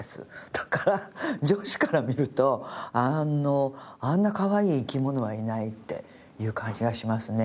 だから女子から見るとあんなかわいい生き物はいないっていう感じがしますね。